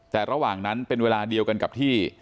แต่ระหว่างนั้นเป็นเวลาเดียวกันกับที่